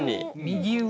右上？